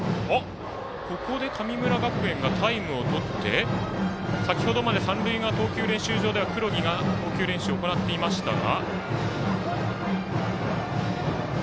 ここで神村学園がタイムをとって先ほどまで三塁側、投球練習場では黒木が投球練習を行っていましたが。